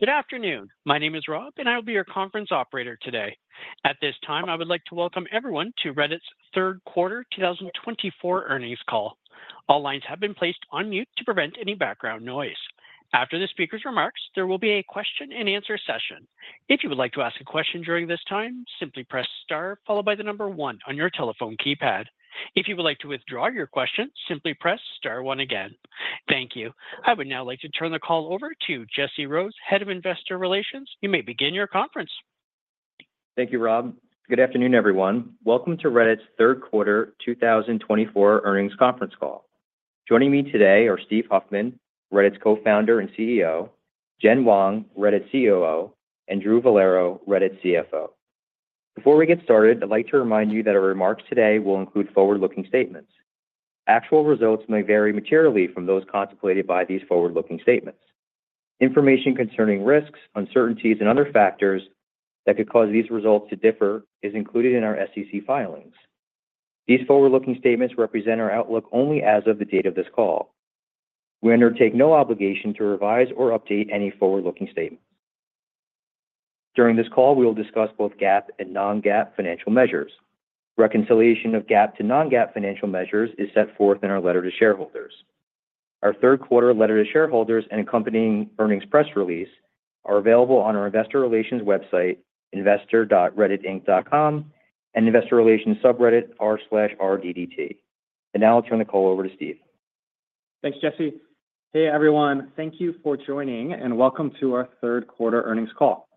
Good afternoon. My name is Rob, and I will be your conference operator today. At this time, I would like to welcome everyone to Reddit's Third Quarter 2024 earnings call. All lines have been placed on mute to prevent any background noise. After the speaker's remarks, there will be a question-and-answer session. If you would like to ask a question during this time, simply press star, followed by the number one on your telephone keypad. If you would like to withdraw your question, simply press star one again. Thank you. I would now like to turn the call over to Jesse Rose, Head of Investor Relations. You may begin your conference. Thank you, Rob. Good afternoon, everyone. Welcome to Reddit's Third Quarter 2024 earnings conference call. Joining me today are Steve Huffman, Reddit's Co-founder and CEO, Jen Wong, Reddit COO, and Drew Vollero, Reddit CFO. Before we get started, I'd like to remind you that our remarks today will include forward-looking statements. Actual results may vary materially from those contemplated by these forward-looking statements. Information concerning risks, uncertainties, and other factors that could cause these results to differ is included in our SEC filings. These forward-looking statements represent our outlook only as of the date of this call. We undertake no obligation to revise or update any forward-looking statements. During this call, we will discuss both GAAP and non-GAAP financial measures. Reconciliation of GAAP to non-GAAP financial measures is set forth in our letter to shareholders. Our Third Quarter letter to shareholders and accompanying earnings press release are available on our Investor Relations website, investor.redditinc.com, and Investor Relations subreddit r/RDDT, and now I'll turn the call over to Steve. Thanks, Jesse. Hey, everyone. Thank you for joining, and welcome to our Third Quarter earnings call.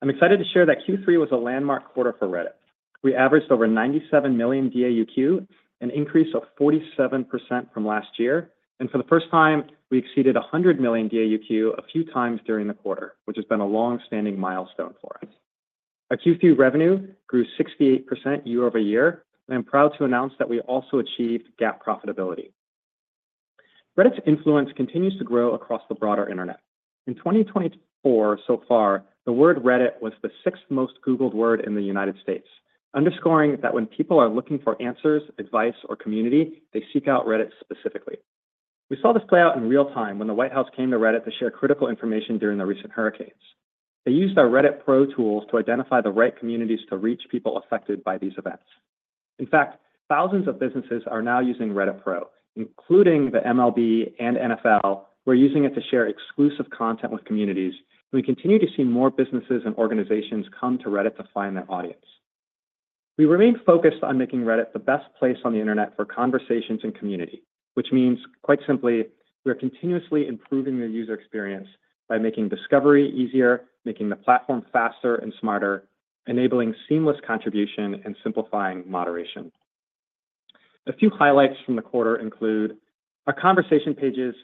I'm excited to share that Q3 was a landmark quarter for Reddit. We averaged over 97 million DAUq, an increase of 47% from last year. And for the first time, we exceeded 100 million DAUq a few times during the quarter, which has been a long-standing milestone for us. Our Q3 revenue grew 68% year-over-year, and I'm proud to announce that we also achieved GAAP profitability. Reddit's influence continues to grow across the broader internet. In 2024 so far, the word Reddit was the sixth most Googled word in the United States, underscoring that when people are looking for answers, advice, or community, they seek out Reddit specifically. We saw this play out in real time when the White House came to Reddit to share critical information during the recent hurricanes. They used our Reddit Pro tools to identify the right communities to reach people affected by these events. In fact, thousands of businesses are now using Reddit Pro, including the MLB and NFL. We're using it to share exclusive content with communities, and we continue to see more businesses and organizations come to Reddit to find their audience. We remain focused on making Reddit the best place on the internet for conversations and community, which means, quite simply, we are continuously improving the user experience by making discovery easier, making the platform faster and smarter, enabling seamless contribution, and simplifying moderation. A few highlights from the quarter include our conversation pages.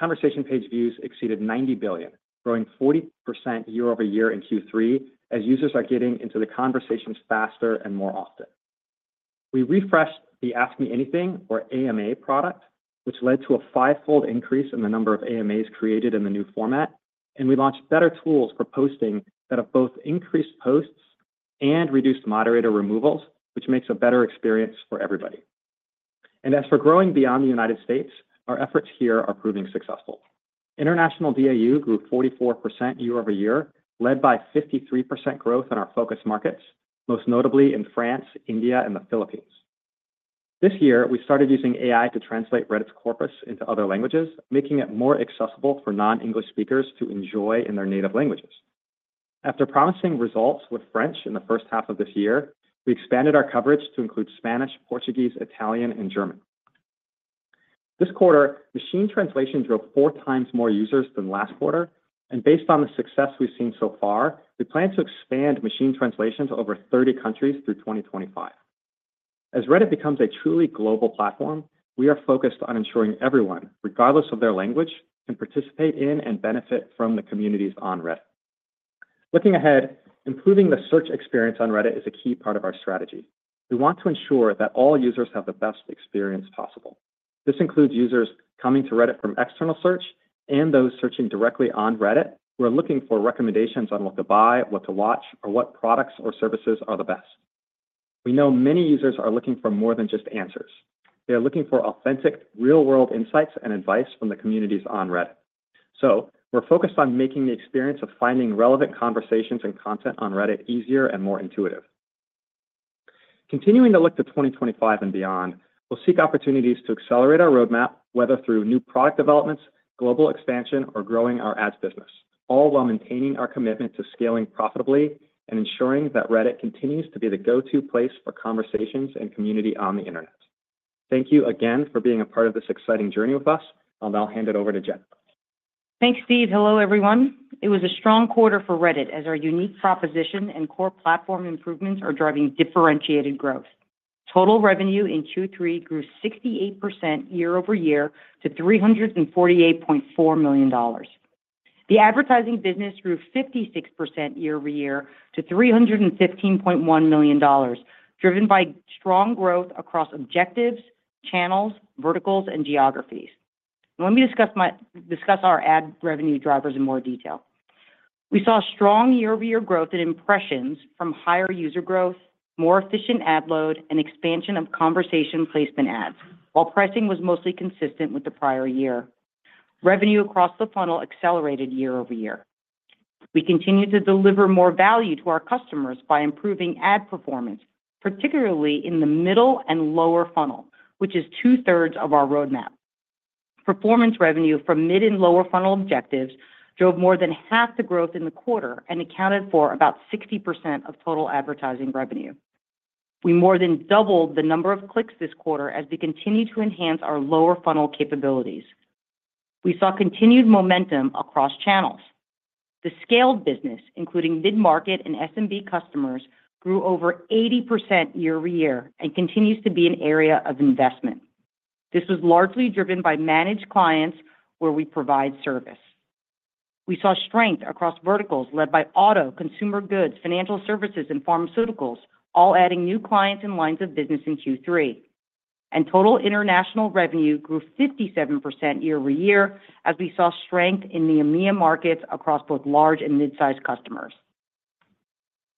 Conversation page views exceeded 90 billion, growing 40% year-over-year in Q3, as users are getting into the conversations faster and more often. We refreshed the Ask Me Anything, or AMA, product, which led to a fivefold increase in the number of AMAs created in the new format. We launched better tools for posting that have both increased posts and reduced moderator removals, which makes a better experience for everybody. As for growing beyond the United States, our efforts here are proving successful. International DAUq grew 44% year-over-year, led by 53% growth in our focus markets, most notably in France, India, and the Philippines. This year, we started using AI to translate Reddit's corpus into other languages, making it more accessible for non-English speakers to enjoy in their native languages. After promising results with French in the first half of this year, we expanded our coverage to include Spanish, Portuguese, Italian, and German. This quarter, machine translation drove four times more users than last quarter. Based on the success we've seen so far, we plan to expand machine translation to over 30 countries through 2025. As Reddit becomes a truly global platform, we are focused on ensuring everyone, regardless of their language, can participate in and benefit from the communities on Reddit. Looking ahead, improving the search experience on Reddit is a key part of our strategy. We want to ensure that all users have the best experience possible. This includes users coming to Reddit from external search and those searching directly on Reddit who are looking for recommendations on what to buy, what to watch, or what products or services are the best. We know many users are looking for more than just answers. They are looking for authentic, real-world insights and advice from the communities on Reddit. So we're focused on making the experience of finding relevant conversations and content on Reddit easier and more intuitive. Continuing to look to 2025 and beyond, we'll seek opportunities to accelerate our roadmap, whether through new product developments, global expansion, or growing our ads business, all while maintaining our commitment to scaling profitably and ensuring that Reddit continues to be the go-to place for conversations and community on the internet. Thank you again for being a part of this exciting journey with us. I'll now hand it over to Jen. Thanks, Steve. Hello, everyone. It was a strong quarter for Reddit, as our unique proposition and core platform improvements are driving differentiated growth. Total revenue in Q3 grew 68% year-over-year to $348.4 million. The advertising business grew 56% year-over-year to $315.1 million, driven by strong growth across objectives, channels, verticals, and geographies. Let me discuss our ad revenue drivers in more detail. We saw strong year-over-year growth in impressions from higher user growth, more efficient ad load, and expansion of Conversation Placement ads, while pricing was mostly consistent with the prior year. Revenue across the funnel accelerated year-over-year. We continue to deliver more value to our customers by improving ad performance, particularly in the middle and lower funnel, which is two-thirds of our roadmap. Performance revenue from mid and lower funnel objectives drove more than half the growth in the quarter and accounted for about 60% of total advertising revenue. We more than doubled the number of clicks this quarter as we continue to enhance our lower funnel capabilities. We saw continued momentum across channels. The scaled business, including mid-market and SMB customers, grew over 80% year-over-year and continues to be an area of investment. This was largely driven by managed clients where we provide service. We saw strength across verticals led by auto, consumer goods, financial services, and pharmaceuticals, all adding new clients and lines of business in Q3. Total international revenue grew 57% year-over-year as we saw strength in the EMEA markets across both large and mid-sized customers.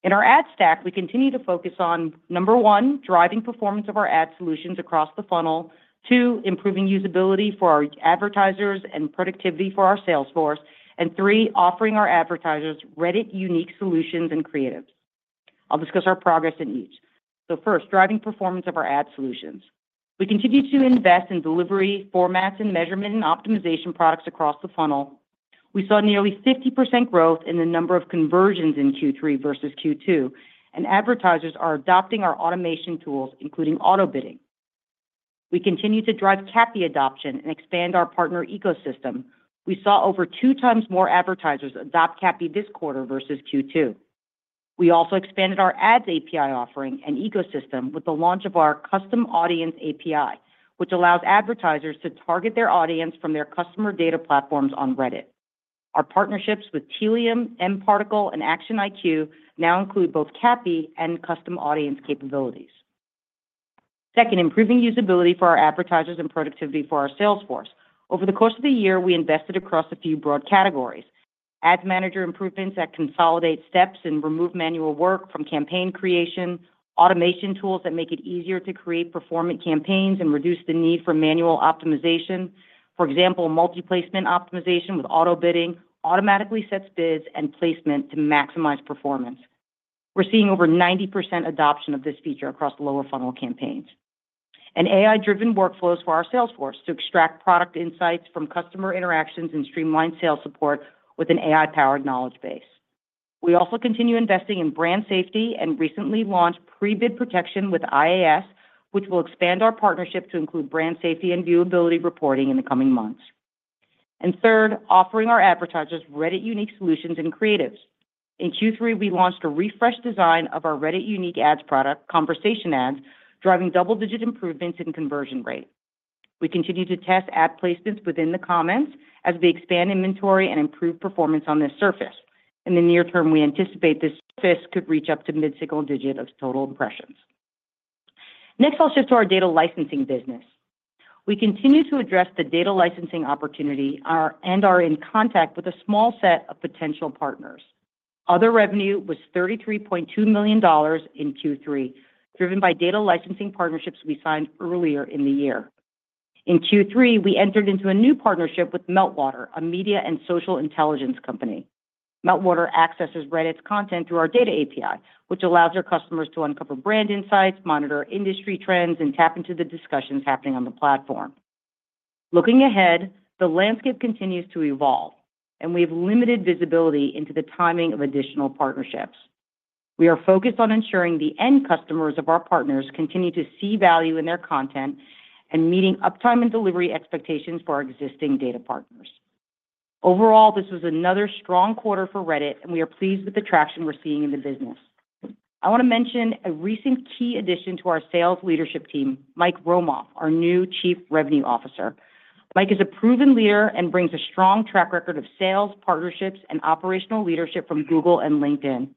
In our ad stack, we continue to focus on, number one, driving performance of our ad solutions across the funnel, two, improving usability for our advertisers and productivity for our sales force, and three, offering our advertisers Reddit-unique solutions and creatives. I'll discuss our progress in each, so first, driving performance of our ad solutions. We continue to invest in delivery formats and measurement and optimization products across the funnel. We saw nearly 50% growth in the number of conversions in Q3 versus Q2, and advertisers are adopting our automation tools, including auto-bidding. We continue to drive CAPI adoption and expand our partner ecosystem. We saw over two times more advertisers adopt CAPI this quarter versus Q2. We also expanded our Ads API offering and ecosystem with the launch of our Custom Audience API, which allows advertisers to target their audience from their customer data platforms on Reddit. Our partnerships with Tealium, mParticle, and ActionIQ now include both CAPI and custom audience capabilities. Second, improving usability for our advertisers and productivity for our sales force. Over the course of the year, we invested across a few broad categories: Ads Manager improvements that consolidate steps and remove manual work from campaign creation. Automation tools that make it easier to create performant campaigns and reduce the need for manual optimization. For example, Multi-Placement Optimization with auto-bidding automatically sets bids and placement to maximize performance. We're seeing over 90% adoption of this feature across lower funnel campaigns, and AI-driven workflows for our sales force to extract product insights from customer interactions and streamline sales support with an AI-powered knowledge base. We also continue investing in brand safety and recently launched Pre-Bid Protection with IAS, which will expand our partnership to include brand safety and viewability reporting in the coming months. Third, offering our advertisers Reddit-unique solutions and creatives. In Q3, we launched a refreshed design of our Reddit-unique ads product, Conversation Ads, driving double-digit improvements in conversion rate. We continue to test ad placements within the comments as we expand inventory and improve performance on this surface. In the near term, we anticipate this surface could reach up to mid-single digit of total impressions. Next, I'll shift to our data licensing business. We continue to address the data licensing opportunity and are in contact with a small set of potential partners. Other revenue was $33.2 million in Q3, driven by data licensing partnerships we signed earlier in the year. In Q3, we entered into a new partnership with Meltwater, a media and social intelligence company. Meltwater accesses Reddit's content through our data API, which allows our customers to uncover brand insights, monitor industry trends, and tap into the discussions happening on the platform. Looking ahead, the landscape continues to evolve, and we have limited visibility into the timing of additional partnerships. We are focused on ensuring the end customers of our partners continue to see value in their content and meeting uptime and delivery expectations for our existing data partners. Overall, this was another strong quarter for Reddit, and we are pleased with the traction we're seeing in the business. I want to mention a recent key addition to our sales leadership team, Mike Romoff, our new Chief Revenue Officer. Mike is a proven leader and brings a strong track record of sales, partnerships, and operational leadership from Google and LinkedIn.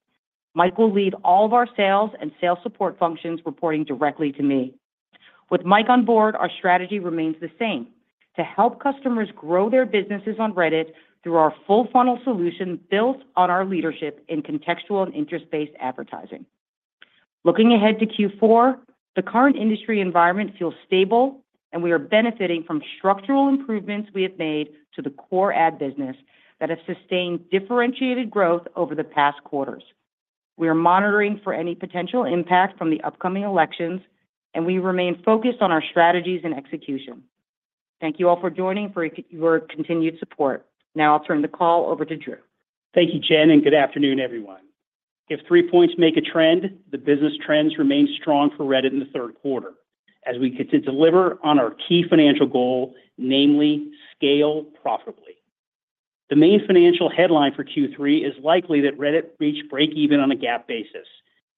Mike will lead all of our sales and sales support functions, reporting directly to me. With Mike on board, our strategy remains the same: to help customers grow their businesses on Reddit through our full-funnel solution built on our leadership in contextual and interest-based advertising. Looking ahead to Q4, the current industry environment feels stable, and we are benefiting from structural improvements we have made to the core ad business that have sustained differentiated growth over the past quarters. We are monitoring for any potential impact from the upcoming elections, and we remain focused on our strategies and execution. Thank you all for joining and for your continued support. Now I'll turn the call over to Drew. Thank you, Jen, and good afternoon, everyone. If three points make a trend, the business trends remain strong for Reddit in the third quarter, as we get to deliver on our key financial goal, namely, scale profitably. The main financial headline for Q3 is likely that Reddit reached break-even on a GAAP basis,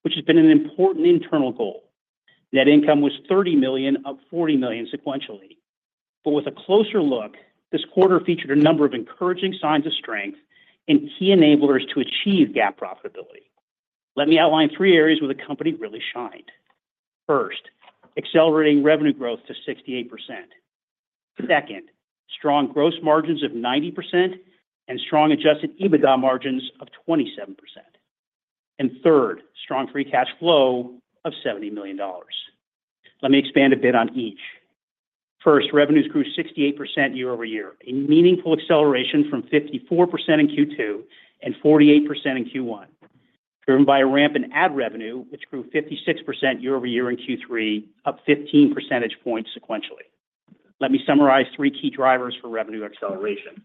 which has been an important internal goal. Net income was $30 million, up $40 million sequentially. But with a closer look, this quarter featured a number of encouraging signs of strength and key enablers to achieve GAAP profitability. Let me outline three areas where the company really shined. First, accelerating revenue growth to 68%. Second, strong gross margins of 90% and strong adjusted EBITDA margins of 27%. And third, strong free cash flow of $70 million. Let me expand a bit on each. First, revenues grew 68% year-over-year, a meaningful acceleration from 54% in Q2 and 48% in Q1, driven by a ramp in ad revenue, which grew 56% year-over-year in Q3, up 15 percentage points sequentially. Let me summarize three key drivers for revenue acceleration.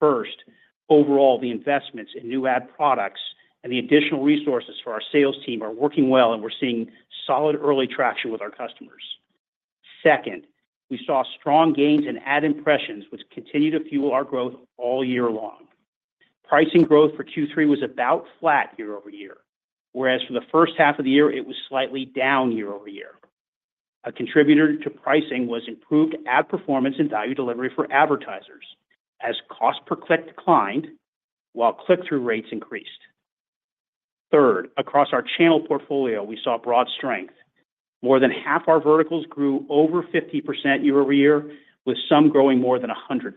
First, overall, the investments in new ad products and the additional resources for our sales team are working well, and we're seeing solid early traction with our customers. Second, we saw strong gains in ad impressions, which continue to fuel our growth all year long. Pricing growth for Q3 was about flat year-over-year, whereas for the first half of the year, it was slightly down year-over-year. A contributor to pricing was improved ad performance and value delivery for advertisers, as cost per click declined while click-through rates increased. Third, across our channel portfolio, we saw broad strength. More than half our verticals grew over 50% year-over-year, with some growing more than 100%.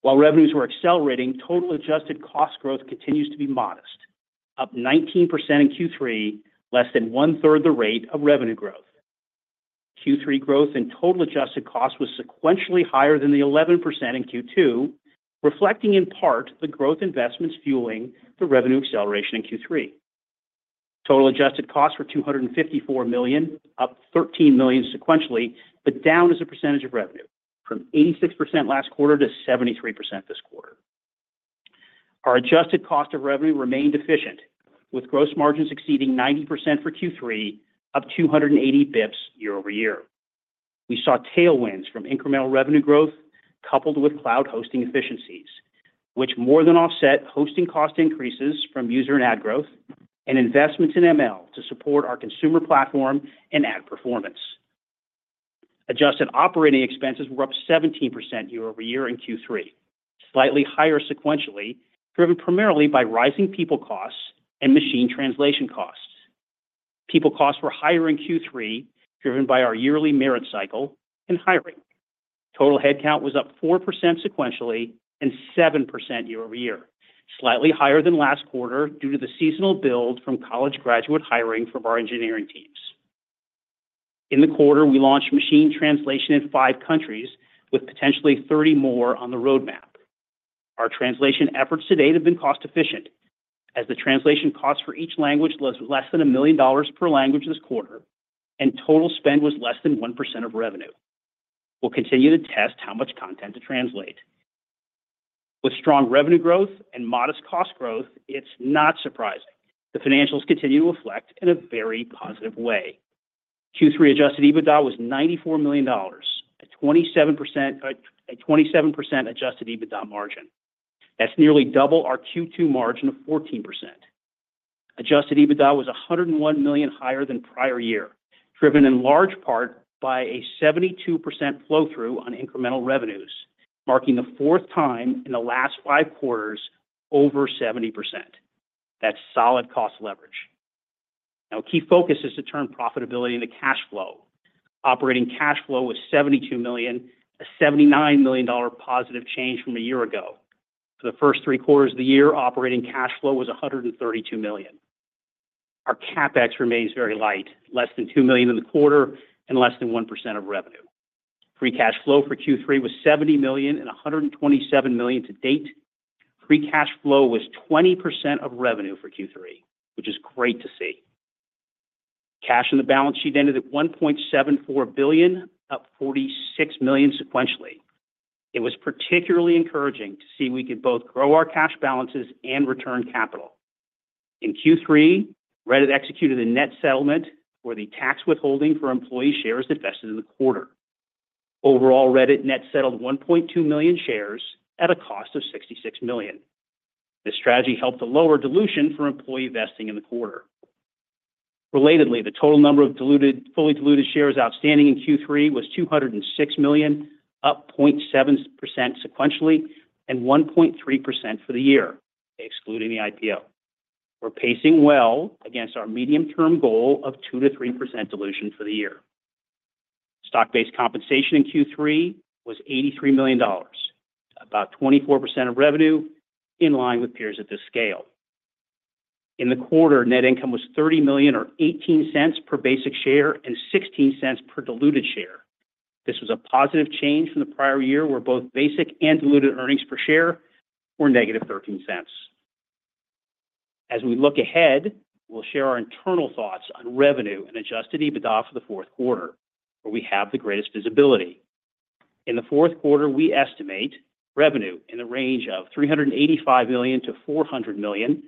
While revenues were accelerating, total adjusted cost growth continues to be modest, up 19% in Q3, less than one-third the rate of revenue growth. Q3 growth in total adjusted costs was sequentially higher than the 11% in Q2, reflecting in part the growth investments fueling the revenue acceleration in Q3. Total adjusted costs were $254 million, up $13 million sequentially, but down as a percentage of revenue, from 86% last quarter to 73% this quarter. Our adjusted cost of revenue remained efficient, with gross margins exceeding 90% for Q3, up 280 basis points year-over-year. We saw tailwinds from incremental revenue growth coupled with cloud hosting efficiencies, which more than offset hosting cost increases from user and ad growth and investments in ML to support our consumer platform and ad performance. Adjusted operating expenses were up 17% year-over-year in Q3, slightly higher sequentially, driven primarily by rising people costs and machine translation costs. People costs were higher in Q3, driven by our yearly merit cycle and hiring. Total headcount was up 4% sequentially and 7% year-over-year, slightly higher than last quarter due to the seasonal build from college graduate hiring from our engineering teams. In the quarter, we launched machine translation in five countries, with potentially 30 more on the roadmap. Our translation efforts to date have been cost-efficient, as the translation cost for each language was less than $1 million per language this quarter, and total spend was less than 1% of revenue. We'll continue to test how much content to translate. With strong revenue growth and modest cost growth, it's not surprising. The financials continue to reflect in a very positive way. Q3 adjusted EBITDA was $94 million, a 27% adjusted EBITDA margin. That's nearly double our Q2 margin of 14%. Adjusted EBITDA was $101 million higher than prior year, driven in large part by a 72% flow-through on incremental revenues, marking the fourth time in the last five quarters over 70%. That's solid cost leverage. Now, a key focus is to turn profitability into cash flow. Operating cash flow was $72 million, a $79 million positive change from a year ago. For the first three quarters of the year, operating cash flow was $132 million. Our CapEx remains very light, less than $2 million in the quarter and less than 1% of revenue. Free cash flow for Q3 was $70 million and $127 million to date. Free cash flow was 20% of revenue for Q3, which is great to see. Cash in the balance sheet ended at $1.74 billion, up $46 million sequentially. It was particularly encouraging to see we could both grow our cash balances and return capital. In Q3, Reddit executed a net settlement for the tax withholding for employee shares invested in the quarter. Overall, Reddit net settled 1.2 million shares at a cost of $66 million. This strategy helped to lower dilution for employee vesting in the quarter. Relatedly, the total number of fully diluted shares outstanding in Q3 was 206 million, up 0.7% sequentially and 1.3% for the year, excluding the IPO. We're pacing well against our medium-term goal of 2% to 3% dilution for the year. Stock-based compensation in Q3 was $83 million, about 24% of revenue, in line with peers at this scale. In the quarter, net income was $30 million or $0.18 per basic share and $0.16 per diluted share. This was a positive change from the prior year, where both basic and diluted earnings per share were negative $0.13. As we look ahead, we'll share our internal thoughts on revenue and Adjusted EBITDA for the fourth quarter, where we have the greatest visibility. In the fourth quarter, we estimate revenue in the range of $385 million-$400 million,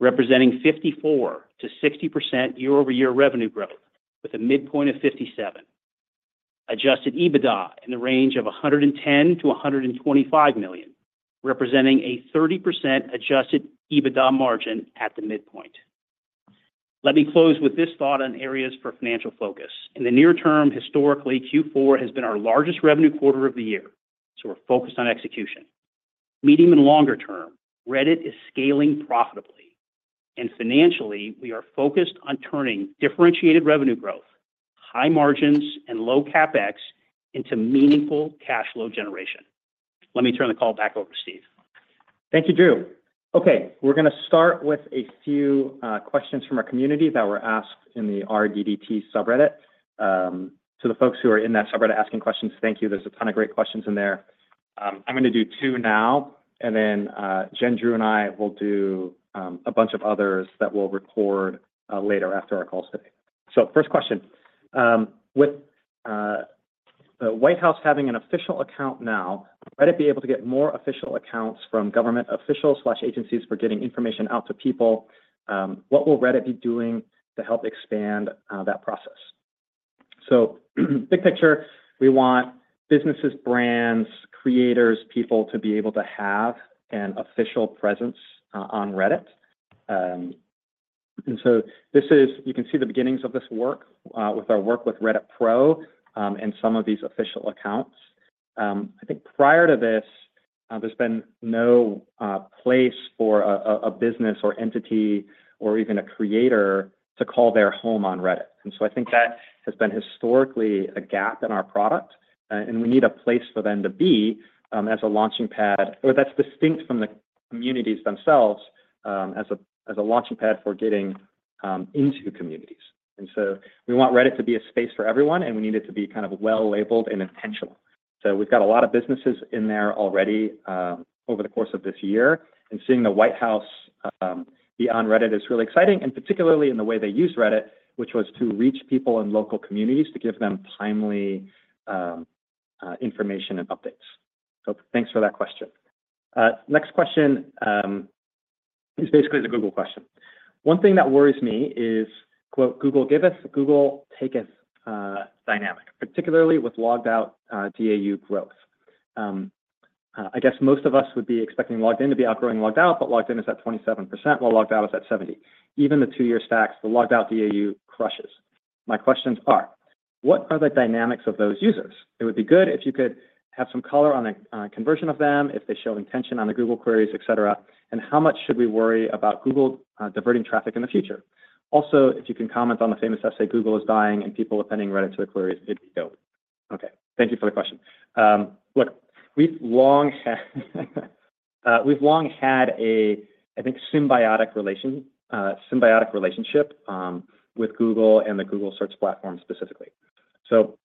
representing 54%-60% year-over-year revenue growth, with a midpoint of $57 million. Adjusted EBITDA in the range of $110 million-$125 million, representing a 30% Adjusted EBITDA margin at the midpoint. Let me close with this thought on areas for financial focus. In the near term, historically, Q4 has been our largest revenue quarter of the year, so we're focused on execution. Medium and longer term, Reddit is scaling profitably. Financially, we are focused on turning differentiated revenue growth, high margins, and low CapEx into meaningful cash flow generation. Let me turn the call back over to Steve. Thank you, Drew. Okay, we're going to start with a few questions from our community that were asked in the RDDT subreddit. To the folks who are in that subreddit asking questions, thank you. There's a ton of great questions in there. I'm going to do two now, and then Jen, Drew, and I will do a bunch of others that we'll record later after our calls today. With the White House having an official account now, will Reddit be able to get more official accounts from government officials and agencies for getting information out to people? What will Reddit be doing to help expand that process? Big picture, we want businesses, brands, creators, people to be able to have an official presence on Reddit. And so this is. You can see the beginnings of this work with our work with Reddit Pro and some of these official accounts. I think prior to this, there's been no place for a business or entity or even a creator to call their home on Reddit. And so I think that has been historically a gap in our product, and we need a place for them to be as a launching pad, or that's distinct from the communities themselves, as a launching pad for getting into communities. And so we want Reddit to be a space for everyone, and we need it to be kind of well-labeled and intentional. So we've got a lot of businesses in there already over the course of this year, and seeing the White House be on Reddit is really exciting, and particularly in the way they use Reddit, which was to reach people in local communities to give them timely information and updates. So thanks for that question. Next question is basically the Google question. One thing that worries me is, "Google give us, Google take us" dynamic, particularly with logged-out DAU growth. I guess most of us would be expecting logged-in to be outgrowing logged-out, but logged-in is at 27%, while logged-out is at 70%. Even the two-year stacks, the logged-out DAU crushes. My questions are: What are the dynamics of those users? It would be good if you could have some color on the conversion of them, if they show intention on the Google queries, et cetera, and how much should we worry about Google diverting traffic in the future? Also, if you can comment on the famous essay, "Google is dying and people are appending Reddit to the queries," it'd be dope. Okay, thank you for the question. Look, we've long had a, I think, symbiotic relationship with Google and the Google Search Platform specifically. So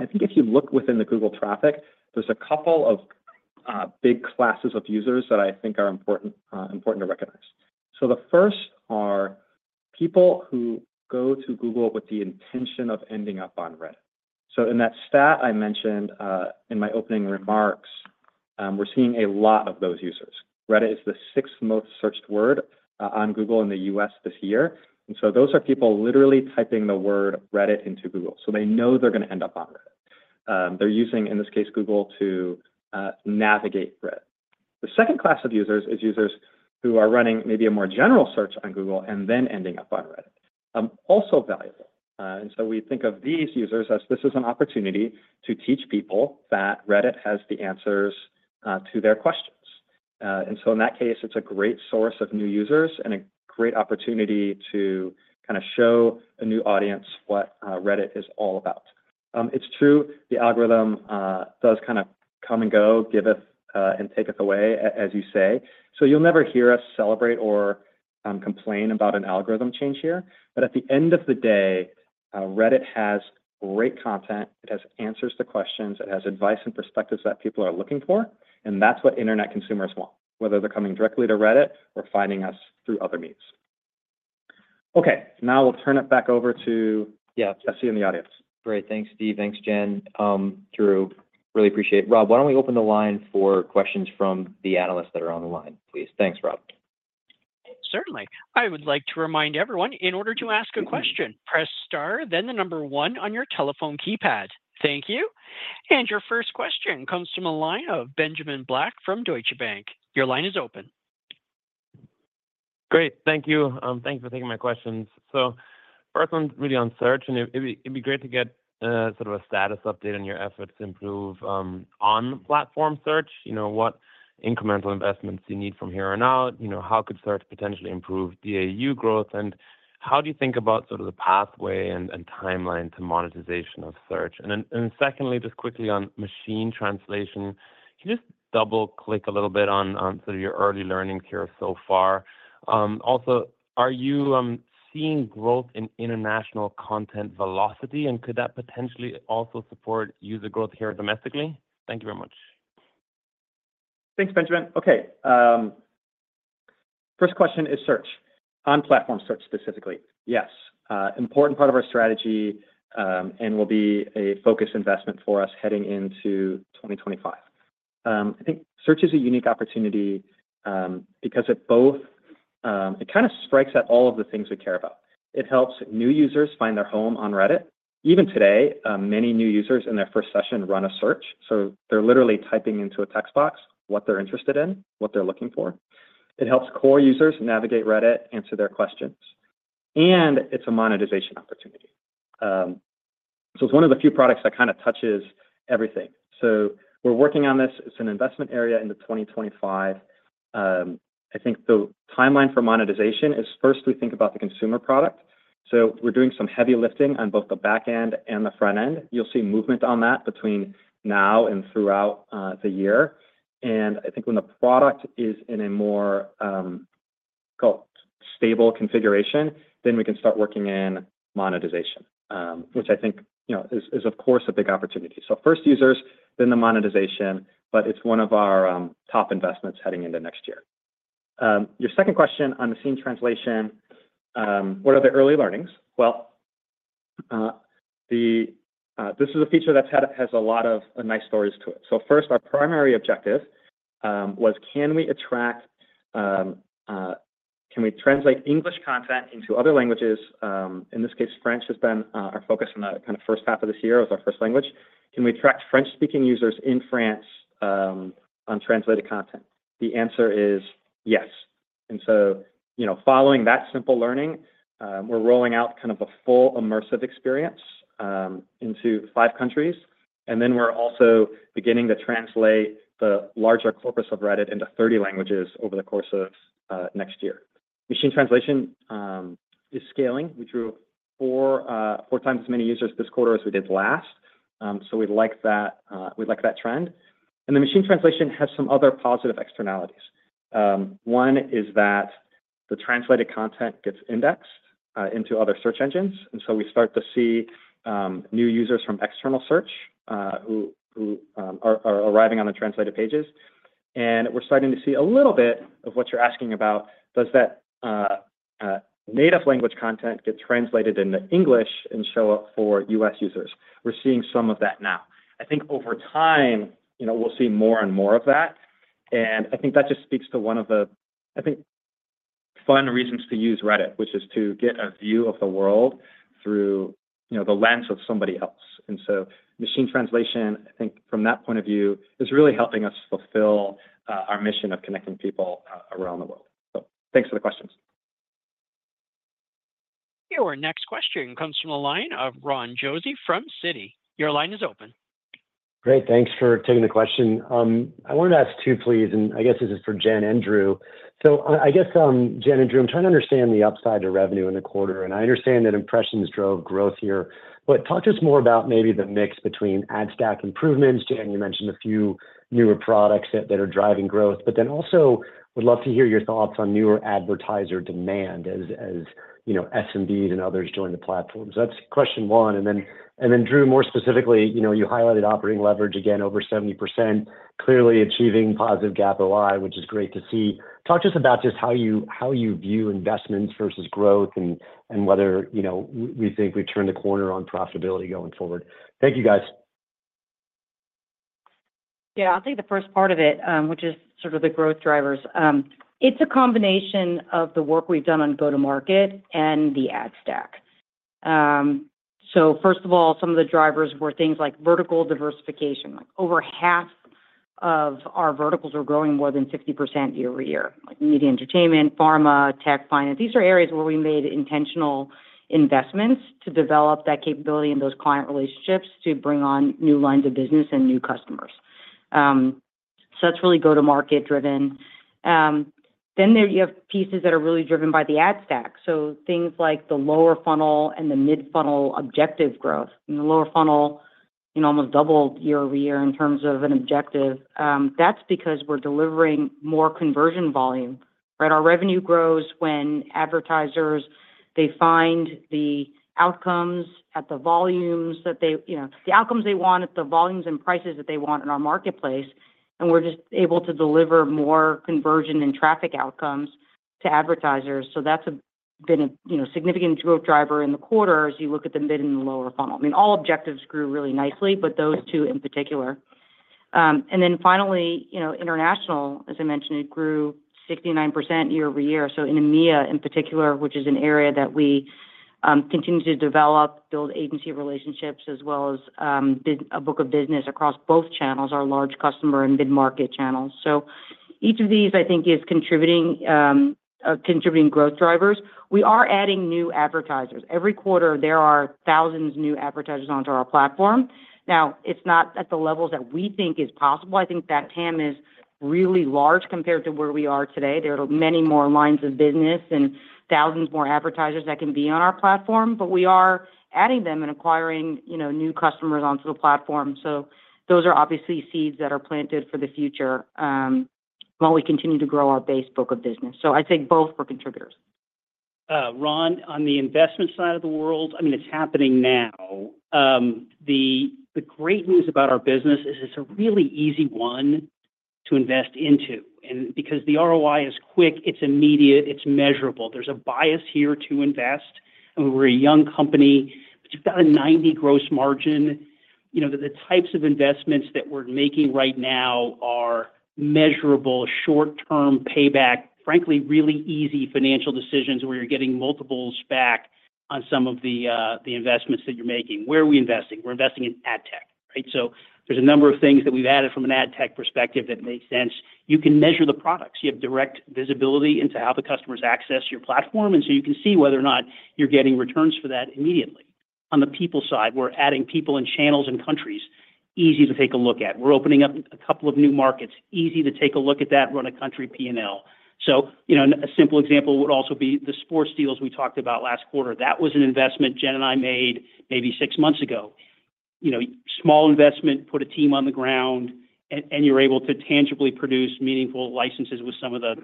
I think if you look within the Google traffic, there's a couple of big classes of users that I think are important to recognize. So the first are people who go to Google with the intention of ending up on Reddit. So in that stat I mentioned in my opening remarks, we're seeing a lot of those users. Reddit is the sixth most searched word on Google in the U.S. this year, and so those are people literally typing the word Reddit into Google, so they know they're going to end up on Reddit. They're using, in this case, Google to navigate Reddit. The second class of users is users who are running maybe a more general search on Google and then ending up on Reddit. Also valuable, and so we think of these users as this is an opportunity to teach people that Reddit has the answers to their questions, and so in that case, it's a great source of new users and a great opportunity to kind of show a new audience what Reddit is all about. It's true, the algorithm does kind of come and go, give it and take it away, as you say. So you'll never hear us celebrate or complain about an algorithm change here. But at the end of the day, Reddit has great content. It has answers to questions. It has advice and perspectives that people are looking for. And that's what internet consumers want, whether they're coming directly to Reddit or finding us through other means. Okay, now we'll turn it back over to Jesse in the audience. Great. Thanks, Steve. Thanks, Jen. Drew, really appreciate it. Rob, why don't we open the line for questions from the analysts that are on the line, please? Thanks, Rob. Certainly. I would like to remind everyone, in order to ask a question, press star, then the number one on your telephone keypad. Thank you. And your first question comes from a line of Benjamin Black from Deutsche Bank. Your line is open. Great. Thank you. Thanks for taking my questions. So first one, really on search, and it'd be great to get sort of a status update on your efforts to improve on-platform search. What incremental investments do you need from here on out? How could search potentially improve DAU growth? And how do you think about sort of the pathway and timeline to monetization of search? And then secondly, just quickly on machine translation, can you just double-click a little bit on sort of your early learnings here so far? Also, are you seeing growth in international content velocity, and could that potentially also support user growth here domestically? Thank you very much. Thanks, Benjamin. Okay, first question is search. On-platform search specifically, yes. It's an important part of our strategy and will be a focus investment for us heading into 2025. I think search is a unique opportunity because it kind of strikes at all of the things we care about. It helps new users find their home on Reddit. Even today, many new users in their first session run a search, so they're literally typing into a text box what they're interested in, what they're looking for. It helps core users navigate Reddit, answer their questions, and it's a monetization opportunity, so it's one of the few products that kind of touches everything, so we're working on this. It's an investment area into 2025. I think the timeline for monetization is first we think about the consumer product, so we're doing some heavy lifting on both the back end and the front end. You'll see movement on that between now and throughout the year. And I think when the product is in a more stable configuration, then we can start working in monetization, which I think is, of course, a big opportunity. So first users, then the monetization, but it's one of our top investments heading into next year. Your second question on machine translation, what are the early learnings? Well, this is a feature that has a lot of nice stories to it. So first, our primary objective was, can we translate English content into other languages? In this case, French has been our focus in the kind of first half of this year as our first language. Can we attract French-speaking users in France on translated content? The answer is yes. And so following that simple learning, we're rolling out kind of a full immersive experience into five countries. We're also beginning to translate the larger corpus of Reddit into 30 languages over the course of next year. Machine translation is scaling. We drew four times as many users this quarter as we did last. So we'd like that trend. And the machine translation has some other positive externalities. One is that the translated content gets indexed into other search engines. And so we start to see new users from external search who are arriving on the translated pages. And we're starting to see a little bit of what you're asking about. Does that native language content get translated into English and show up for U.S. users? We're seeing some of that now. I think over time, we'll see more and more of that. I think that just speaks to one of the, I think, fun reasons to use Reddit, which is to get a view of the world through the lens of somebody else, and so machine translation, I think from that point of view, is really helping us fulfill our mission of connecting people around the world, so thanks for the questions. Your next question comes from a line of Ron Josey from Citi. Your line is open. Great. Thanks for taking the question. I wanted to ask too, please, and I guess this is for Jen and Drew. So I guess, Jen and Drew, I'm trying to understand the upside to revenue in the quarter. And I understand that impressions drove growth here. But talk to us more about maybe the mix between ad stack improvements. Jen, you mentioned a few newer products that are driving growth, but then also would love to hear your thoughts on newer advertiser demand as SMBs and others join the platform. So that's question one. And then, Drew, more specifically, you highlighted operating leverage again over 70%, clearly achieving positive GAAP OI, which is great to see. Talk to us about just how you view investments versus growth and whether we think we've turned the corner on profitability going forward. Thank you, guys. Yeah, I'll take the first part of it, which is sort of the growth drivers. It's a combination of the work we've done on go-to-market and the ad stack. So first of all, some of the drivers were things like vertical diversification. Over half of our verticals were growing more than 50% year-over-year, like media entertainment, pharma, tech, finance. These are areas where we made intentional investments to develop that capability and those client relationships to bring on new lines of business and new customers. So that's really go-to-market driven. Then you have pieces that are really driven by the ad stack. So things like the lower funnel and the mid-funnel objective growth. In the lower funnel, you can almost double year-over-year in terms of an objective. That's because we're delivering more conversion volume. Our revenue grows when advertisers find the outcomes at the volumes and prices that they want in our marketplace, and we're just able to deliver more conversion and traffic outcomes to advertisers, so that's been a significant growth driver in the quarter as you look at the mid and the lower funnel. I mean, all objectives grew really nicely, but those two in particular, and then finally, international, as I mentioned, it grew 69% year-over-year. So in EMEA in particular, which is an area that we continue to develop, build agency relationships as well as a book of business across both channels, our large customer and mid-market channels, so each of these, I think, is contributing growth drivers. We are adding new advertisers. Every quarter, there are thousands of new advertisers onto our platform. Now, it's not at the levels that we think is possible. I think that TAM is really large compared to where we are today. There are many more lines of business and thousands more advertisers that can be on our platform, but we are adding them and acquiring new customers onto the platform. So those are obviously seeds that are planted for the future while we continue to grow our base book of business. So I think both were contributors. Ron, on the investment side of the world, I mean, it's happening now. The great news about our business is it's a really easy one to invest into, and because the ROI is quick, it's immediate, it's measurable. There's a bias here to invest. We're a young company, but you've got a 90% gross margin. The types of investments that we're making right now are measurable, short-term payback, frankly, really easy financial decisions where you're getting multiples back on some of the investments that you're making. Where are we investing? We're investing in ad tech, right, so there's a number of things that we've added from an ad tech perspective that make sense. You can measure the products. You have direct visibility into how the customers access your platform, and so you can see whether or not you're getting returns for that immediately. On the people side, we're adding people and channels and countries. Easy to take a look at. We're opening up a couple of new markets. Easy to take a look at that, run a country P&L. So a simple example would also be the sports deals we talked about last quarter. That was an investment Jen and I made maybe six months ago. Small investment, put a team on the ground, and you're able to tangibly produce meaningful licenses with some of the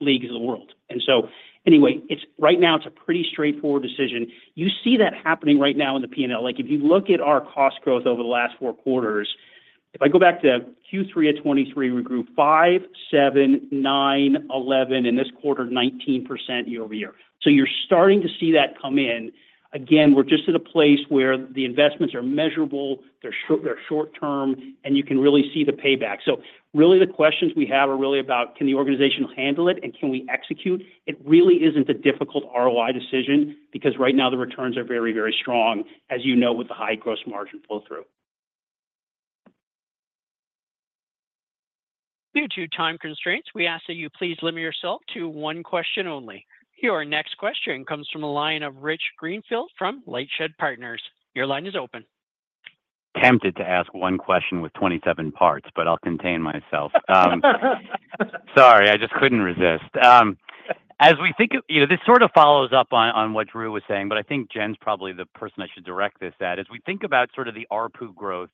leagues of the world. And so anyway, right now, it's a pretty straightforward decision. You see that happening right now in the P&L. If you look at our cost growth over the last four quarters, if I go back to Q3 of 2023, we grew 5%, 7%, 9%, 11%, and this quarter, 19% year-over-year. So you're starting to see that come in. Again, we're just at a place where the investments are measurable, they're short-term, and you can really see the payback. So really, the questions we have are really about, can the organization handle it, and can we execute? It really isn't a difficult ROI decision because right now, the returns are very, very strong, as you know, with the high gross margin flow-through. Due to time constraints, we ask that you please limit yourself to one question only. Your next question comes from a line of Rich Greenfield from LightShed Partners. Your line is open. Tempted to ask one question with 27 parts, but I'll contain myself. Sorry, I just couldn't resist. As we think of this, sort of follows up on what Drew was saying, but I think Jen's probably the person I should direct this at. As we think about sort of the ARPU growth,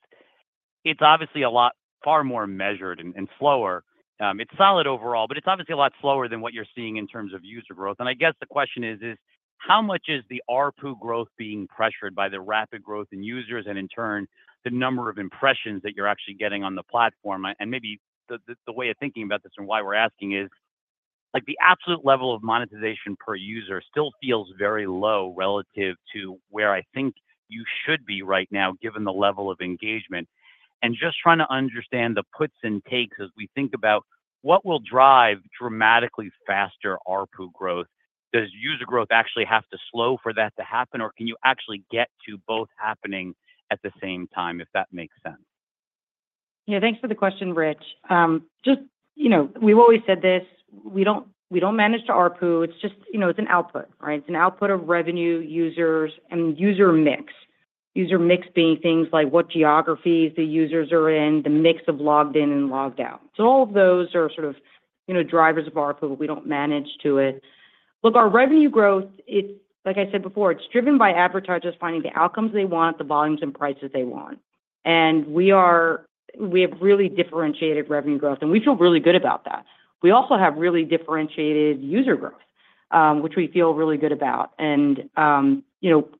it's obviously a lot far more measured and slower. It's solid overall, but it's obviously a lot slower than what you're seeing in terms of user growth, and I guess the question is, how much is the ARPU growth being pressured by the rapid growth in users and, in turn, the number of impressions that you're actually getting on the platform? And maybe the way of thinking about this and why we're asking is the absolute level of monetization per user still feels very low relative to where I think you should be right now, given the level of engagement. And just trying to understand the puts and takes as we think about what will drive dramatically faster ARPU growth. Does user growth actually have to slow for that to happen, or can you actually get to both happening at the same time, if that makes sense? Yeah, thanks for the question, Rich. Just we've always said this. We don't manage the ARPU. It's just it's an output, right? It's an output of revenue, users, and user mix. User mix being things like what geographies the users are in, the mix of logged in and logged out. So all of those are sort of drivers of ARPU, but we don't manage to it. Look, our revenue growth, like I said before, it's driven by advertisers finding the outcomes they want, the volumes and prices they want. And we have really differentiated revenue growth, and we feel really good about that. We also have really differentiated user growth, which we feel really good about. And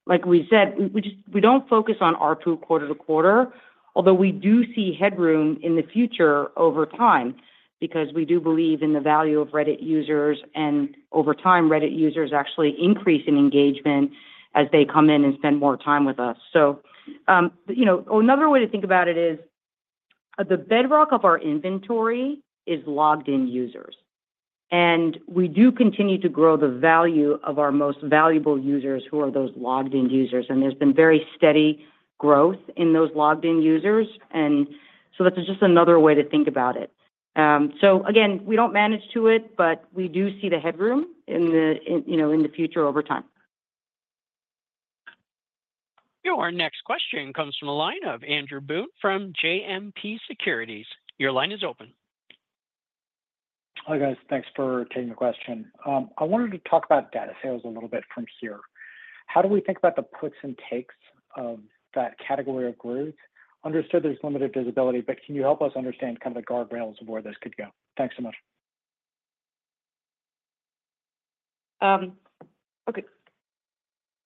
like we said, we don't focus on ARPU quarter to quarter, although we do see headroom in the future over time because we do believe in the value of Reddit users. Over time, Reddit users actually increase in engagement as they come in and spend more time with us. So another way to think about it is the bedrock of our inventory is logged-in users. And we do continue to grow the value of our most valuable users, who are those logged-in users. And there's been very steady growth in those logged-in users. And so that's just another way to think about it. So again, we don't manage to it, but we do see the headroom in the future over time. Your next question comes from a line of Andrew Boone from JMP Securities. Your line is open. Hi guys. Thanks for taking the question. I wanted to talk about data sales a little bit from here. How do we think about the puts and takes of that category of growth? Understood there's limited visibility, but can you help us understand kind of the guardrails of where this could go? Thanks so much. Okay.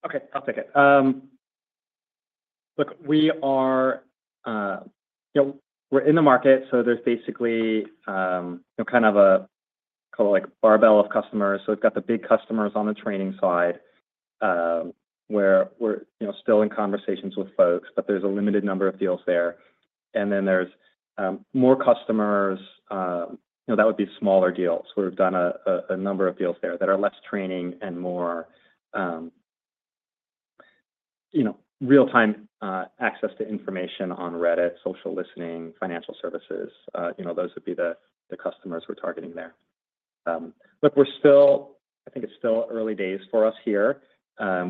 Okay, I'll take it. Look, we're in the market, so there's basically kind of a call it like barbell of customers. So we've got the big customers on the training side where we're still in conversations with folks, but there's a limited number of deals there. And then there's more customers that would be smaller deals. We've done a number of deals there that are less training and more real-time access to information on Reddit, social listening, financial services. Those would be the customers we're targeting there. But I think it's still early days for us here.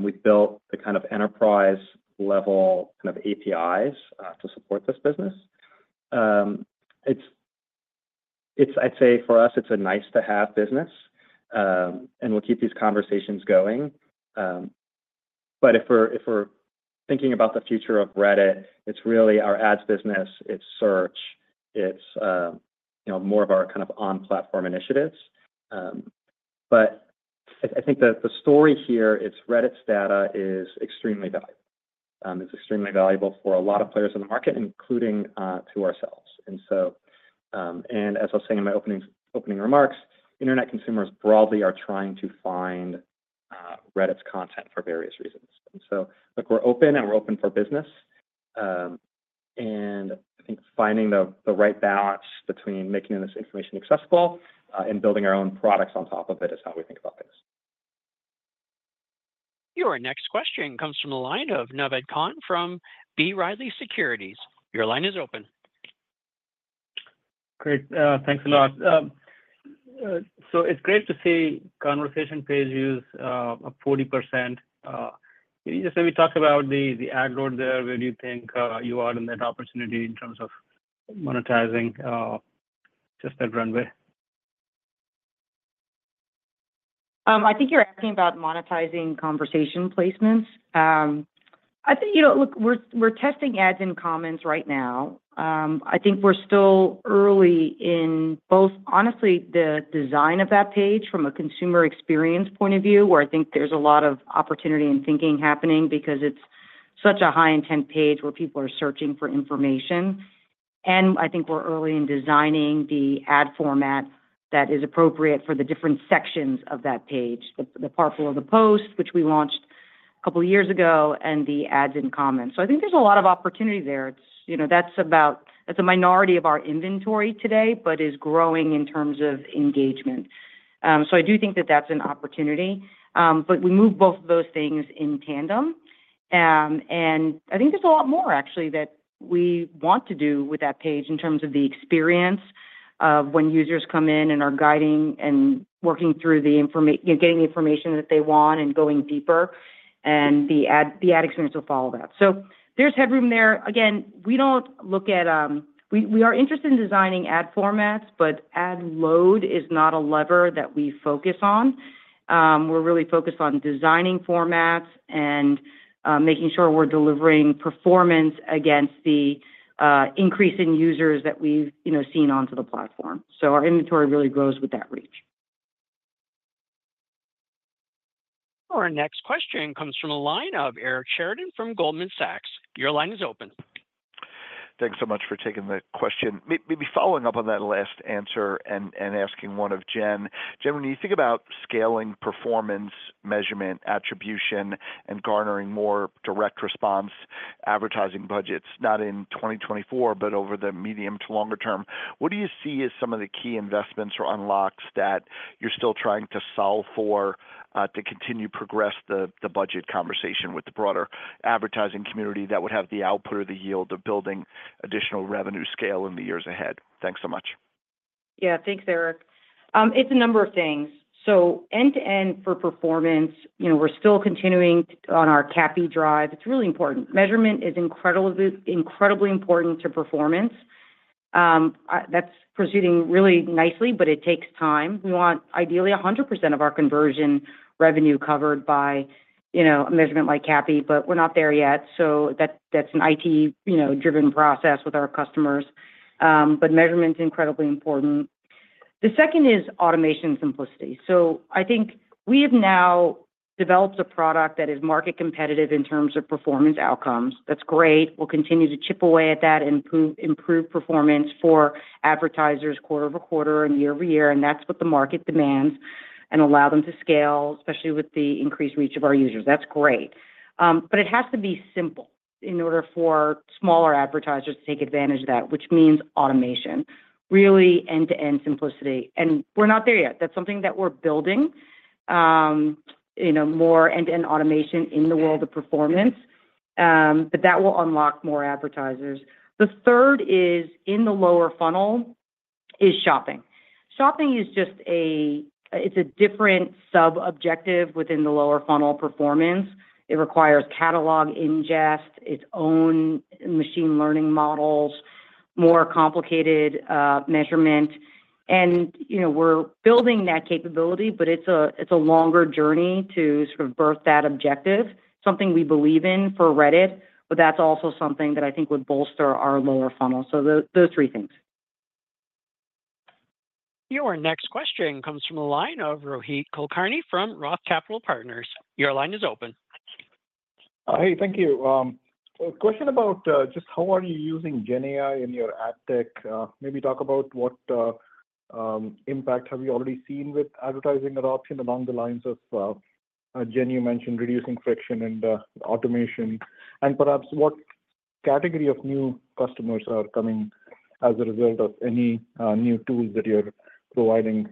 We've built the kind of enterprise-level kind of APIs to support this business. I'd say for us, it's a nice-to-have business, and we'll keep these conversations going. But if we're thinking about the future of Reddit, it's really our ads business. It's search. It's more of our kind of on-platform initiatives. But I think the story here, Reddit's data is extremely valuable. It's extremely valuable for a lot of players in the market, including to ourselves. And as I was saying in my opening remarks, internet consumers broadly are trying to find Reddit's content for various reasons. And so we're open, and we're open for business. And I think finding the right balance between making this information accessible and building our own products on top of it is how we think about things. Your next question comes from a line of Naved Khan from B. Riley Securities. Your line is open. Great. Thanks a lot. So it's great to see conversation page views of 40%. Just let me talk about the ad roadmap there. Where do you think you are in that opportunity in terms of monetizing just that runway? I think you're asking about monetizing conversation placements. I think, look, we're testing ads in comments right now. I think we're still early in both, honestly, the design of that page from a consumer experience point of view, where I think there's a lot of opportunity and thinking happening because it's such a high-intent page where people are searching for information, and I think we're early in designing the ad format that is appropriate for the different sections of that page, the part for the post, which we launched a couple of years ago, and the ads in comments, so I think there's a lot of opportunity there. That's a minority of our inventory today, but is growing in terms of engagement, so I do think that that's an opportunity, but we move both of those things in tandem. I think there's a lot more, actually, that we want to do with that page in terms of the experience of when users come in and are guiding and working through the information, getting the information that they want and going deeper. And the ad experience will follow that. So there's headroom there. Again, we don't look at. We are interested in designing ad formats, but ad load is not a lever that we focus on. We're really focused on designing formats and making sure we're delivering performance against the increase in users that we've seen onto the platform. So our inventory really grows with that reach. Our next question comes from a line of Eric Sheridan from Goldman Sachs. Your line is open. Thanks so much for taking the question. Maybe following up on that last answer and asking one of Jen. Jen, when you think about scaling performance, measurement, attribution, and garnering more direct response advertising budgets, not in 2024, but over the medium to longer term, what do you see as some of the key investments or unlocks that you're still trying to solve for to continue to progress the budget conversation with the broader advertising community that would have the output or the yield of building additional revenue scale in the years ahead? Thanks so much. Yeah, thanks, Eric. It's a number of things. So end-to-end for performance, we're still continuing on our CAPI drive. It's really important. Measurement is incredibly important to performance. That's proceeding really nicely, but it takes time. We want ideally 100% of our conversion revenue covered by a measurement like CAPI, but we're not there yet. So that's an IT-driven process with our customers. But measurement is incredibly important. The second is automation simplicity. So I think we have now developed a product that is market competitive in terms of performance outcomes. That's great. We'll continue to chip away at that and improve performance for advertisers quarter over quarter and year-over-year. And that's what the market demands and allow them to scale, especially with the increased reach of our users. That's great. But it has to be simple in order for smaller advertisers to take advantage of that, which means automation. Really end-to-end simplicity, and we're not there yet. That's something that we're building, more end-to-end automation in the world of performance, but that will unlock more advertisers. The third is in the lower funnel: shopping. Shopping is just a different sub-objective within the lower funnel performance. It requires catalog ingest, its own machine learning models, more complicated measurement. And we're building that capability, but it's a longer journey to sort of birth that objective, something we believe in for Reddit, but that's also something that I think would bolster our lower funnel, so those three things. Your next question comes from a line of Rohit Kulkarni from ROTH Capital Partners. Your line is open. Hey, thank you. A question about just how are you using GenAI in your ad tech. Maybe talk about what impact have you already seen with advertising adoption along the lines of Jen you mentioned reducing friction and automation. And perhaps what category of new customers are coming as a result of any new tools that you're providing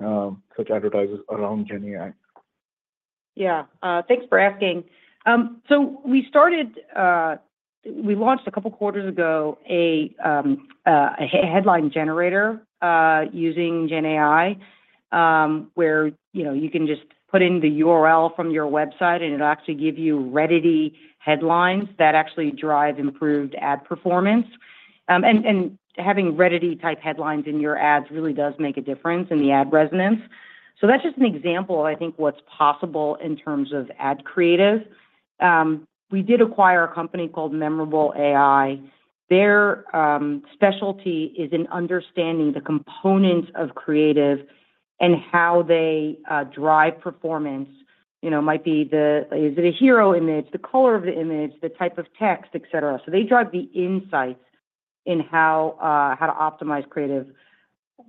such advertisers around GenAI? Yeah. Thanks for asking. So we launched a couple of quarters ago a headline generator using GenAI where you can just put in the URL from your website, and it'll actually give you Reddity headlines that actually drive improved ad performance. And having Reddity-type headlines in your ads really does make a difference in the ad resonance. So that's just an example of, I think, what's possible in terms of ad creative. We did acquire a company called Memorable AI. Their specialty is in understanding the components of creative and how they drive performance. It might be the, is it a hero image, the color of the image, the type of text, etc. So they drive the insights in how to optimize creative.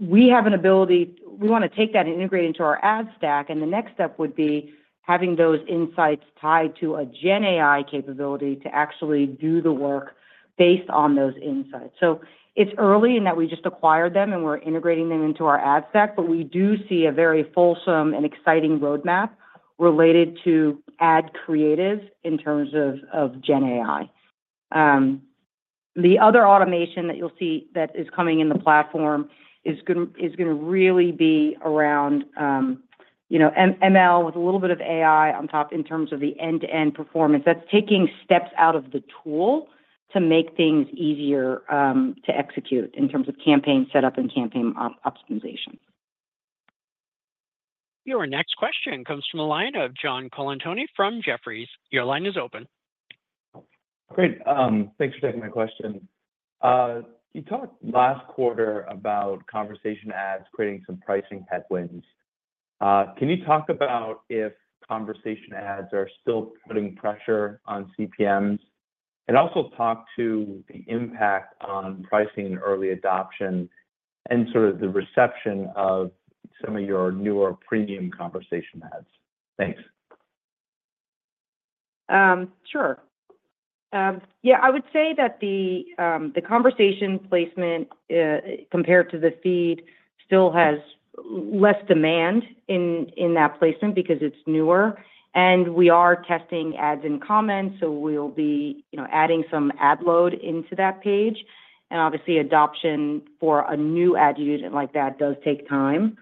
We have an ability we want to take that and integrate into our ad stack. And the next step would be having those insights tied to a GenAI capability to actually do the work based on those insights. So it's early in that we just acquired them, and we're integrating them into our ad stack, but we do see a very fulsome and exciting roadmap related to ad creative in terms of GenAI. The other automation that you'll see that is coming in the platform is going to really be around ML with a little bit of AI on top in terms of the end-to-end performance. That's taking steps out of the tool to make things easier to execute in terms of campaign setup and campaign optimization. Your next question comes from a line of John Colantuoni from Jefferies. Your line is open. Great. Thanks for taking my question. You talked last quarter about Conversation Ads creating some pricing headwinds. Can you talk about if Conversation Ads are still putting pressure on CPMs? And also talk to the impact on pricing and early adoption and sort of the reception of some of your newer premium Conversation Ads. Thanks. Sure. Yeah, I would say that the conversation placement compared to the feed still has less demand in that placement because it's newer. And we are testing ads in comments, so we'll be adding some ad load into that page. And obviously, adoption for a new ad unit like that does take time.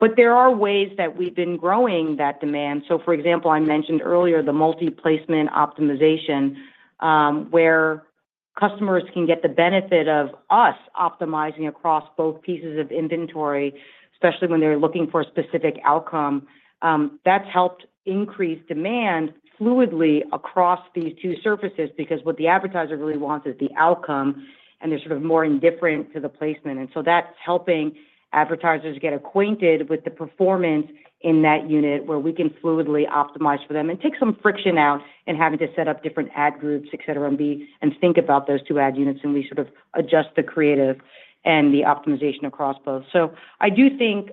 But there are ways that we've been growing that demand. So for example, I mentioned earlier the multi-placement optimization where customers can get the benefit of us optimizing across both pieces of inventory, especially when they're looking for a specific outcome. That's helped increase demand fluidly across these two surfaces because what the advertiser really wants is the outcome, and they're sort of more indifferent to the placement. And so that's helping advertisers get acquainted with the performance in that unit where we can fluidly optimize for them and take some friction out and having to set up different ad groups, etc., and think about those two ad units, and we sort of adjust the creative and the optimization across both. So I do think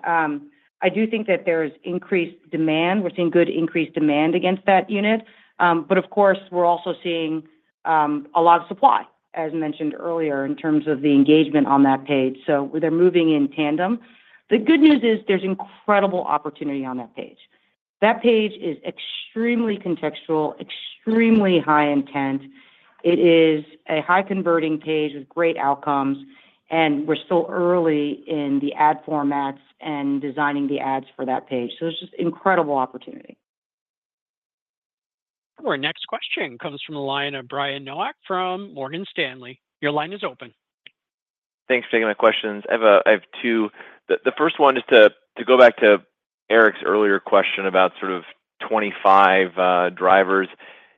that there's increased demand. We're seeing good increased demand against that unit. But of course, we're also seeing a lot of supply, as mentioned earlier, in terms of the engagement on that page. So they're moving in tandem. The good news is there's incredible opportunity on that page. That page is extremely contextual, extremely high intent. It is a high-converting page with great outcomes, and we're still early in the ad formats and designing the ads for that page. So it's just incredible opportunity. Our next question comes from a line of Brian Nowak from Morgan Stanley. Your line is open. Thanks for taking my questions. I have two. The first one is to go back to Eric's earlier question about sort of 2025 drivers.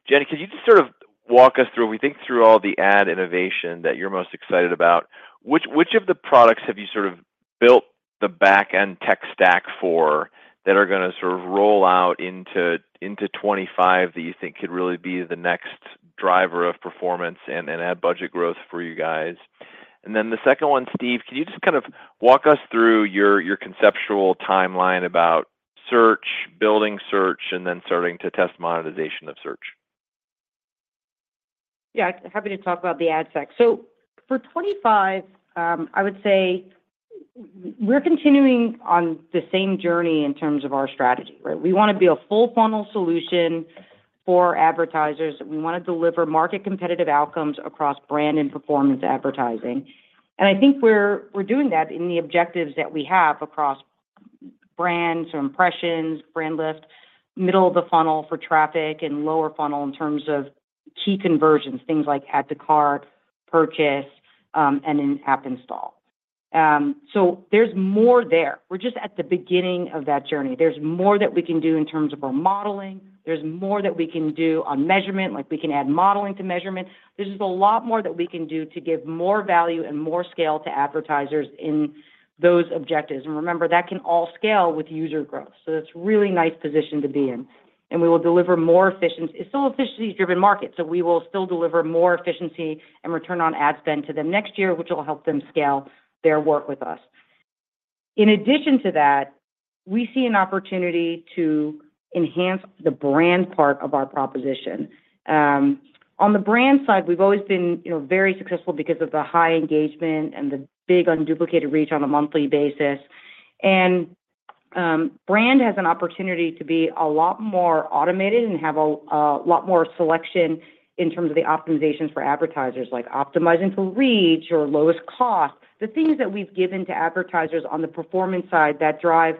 Jen, could you just sort of walk us through, if we think through all the ad innovation that you're most excited about, which of the products have you sort of built the back-end tech stack for that are going to sort of roll out into 2025 that you think could really be the next driver of performance and ad budget growth for you guys? And then the second one, Steve, can you just kind of walk us through your conceptual timeline about search, building search, and then starting to test monetization of search? Yeah. Happy to talk about the ad stack. So for 2025, I would say we're continuing on the same journey in terms of our strategy. We want to be a full-funnel solution for advertisers. We want to deliver market competitive outcomes across brand and performance advertising. And I think we're doing that in the objectives that we have across brands, impressions, brand lift, middle of the funnel for traffic, and lower funnel in terms of key conversions, things like add to cart, purchase, and in-app install. So there's more there. We're just at the beginning of that journey. There's more that we can do in terms of our modeling. There's more that we can do on measurement. We can add modeling to measurement. There's just a lot more that we can do to give more value and more scale to advertisers in those objectives. And remember, that can all scale with user growth. So that's a really nice position to be in. And we will deliver more efficiency. It's still an efficiency-driven market, so we will still deliver more efficiency and return on ad spend to them next year, which will help them scale their work with us. In addition to that, we see an opportunity to enhance the brand part of our proposition. On the brand side, we've always been very successful because of the high engagement and the big unduplicated reach on a monthly basis. And brand has an opportunity to be a lot more automated and have a lot more selection in terms of the optimizations for advertisers, like optimizing for reach or lowest cost. The things that we've given to advertisers on the performance side that drive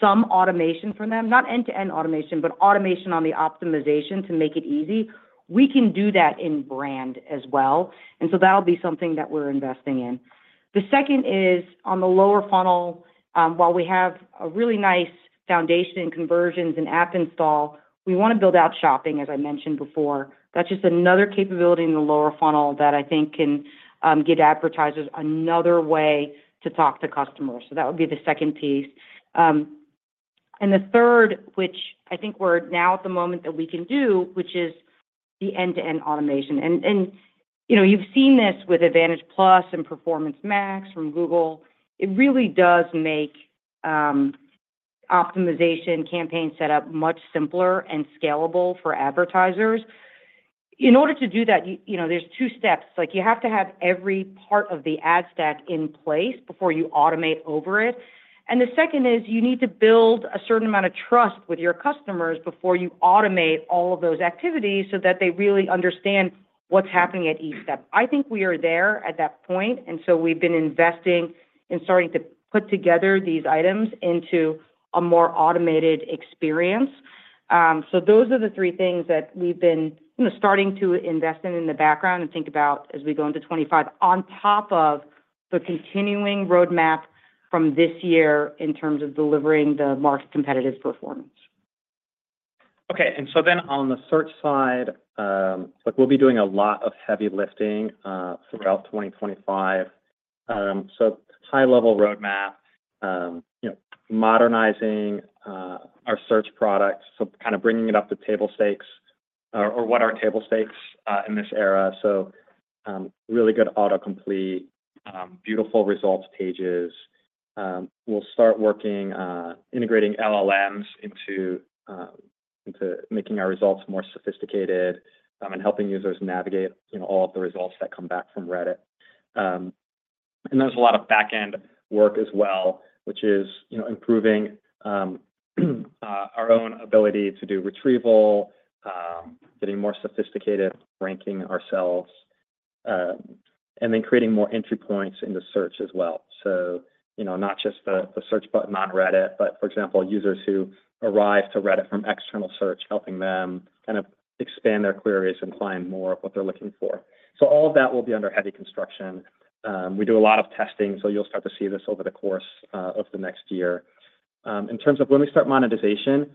some automation for them, not end-to-end automation, but automation on the optimization to make it easy, we can do that in brand as well. And so that'll be something that we're investing in. The second is on the lower funnel, while we have a really nice foundation in conversions and app install, we want to build out shopping, as I mentioned before. That's just another capability in the lower funnel that I think can give advertisers another way to talk to customers. So that would be the second piece. And the third, which I think we're now at the moment that we can do, which is the end-to-end automation. And you've seen this with Advantage+ and Performance Max from Google. It really does make optimization campaign setup much simpler and scalable for advertisers. In order to do that, there's two steps. You have to have every part of the ad stack in place before you automate over it. And the second is you need to build a certain amount of trust with your customers before you automate all of those activities so that they really understand what's happening at each step. I think we are there at that point. And so we've been investing in starting to put together these items into a more automated experience. So those are the three things that we've been starting to invest in in the background and think about as we go into 2025 on top of the continuing roadmap from this year in terms of delivering the market competitive performance. Okay. And so then on the search side, we'll be doing a lot of heavy lifting throughout 2025. So high-level roadmap, modernizing our search products, so kind of bringing it up to table stakes or what our table stakes in this era. So really good autocomplete, beautiful results pages. We'll start working on integrating LLMs into making our results more sophisticated and helping users navigate all of the results that come back from Reddit. And there's a lot of back-end work as well, which is improving our own ability to do retrieval, getting more sophisticated, ranking ourselves, and then creating more entry points into search as well. So not just the search button on Reddit, but for example, users who arrive to Reddit from external search, helping them kind of expand their queries and find more of what they're looking for. So all of that will be under heavy construction. We do a lot of testing, so you'll start to see this over the course of the next year. In terms of when we start monetization,